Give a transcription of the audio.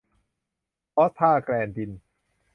พรอสทาแกลนดิน